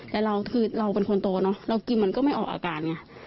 แต่เราคือเราเป็นคนโตเนอะเรากินมันก็ไม่ออกอาการไง